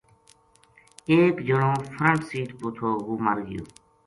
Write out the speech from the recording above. ایک جنو فرنٹ سیٹ پو تھو وہ مر گیو